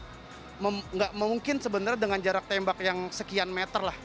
tidak mungkin sebenarnya dengan jarak tembak yang sekian meter lah